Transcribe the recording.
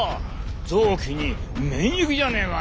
臓器に免疫じゃねえか！